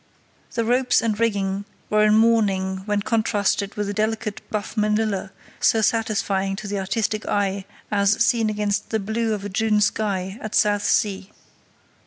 The ropes and rigging were in mourning when contrasted with the delicate buff manilla so satisfying to the artistic eye as seen against the blue of a June sky at Southsea.